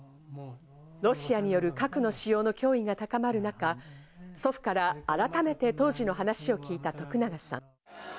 ロシアによる核の使用の脅威が高まる中、祖父から改めて当時の話を聞いた徳永さん。